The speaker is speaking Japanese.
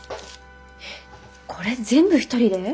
えっこれ全部一人で？